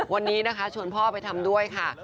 วันนี้นะคะชวนพ่อไปทำด้วยค่ะ